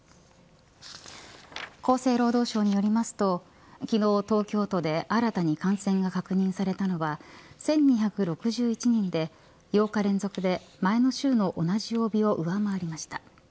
厚生労働省によりますと昨日、東京都で新たに感染が確認されたのは１２６１人で８日連続で前の週の同じ曜日を上回りました。